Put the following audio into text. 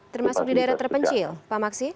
termasuk di daerah terpencil pak maksi